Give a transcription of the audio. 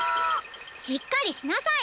しっかりしなさい！